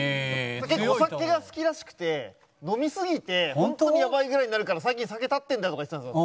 結構お酒が好きらしくて飲みすぎてホントにやばいぐらいになるから最近酒を断ってんだとか言ってたんですよ。